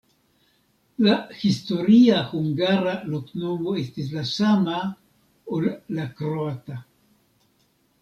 La historia hungara loknomo estis la sama, ol la kroata.